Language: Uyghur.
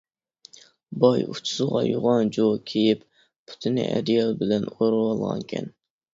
باي ئۇچىسىغا يوغان جۇۋا كىيىپ، پۇتىنى ئەدىيال بىلەن ئورىۋالغانىكەن.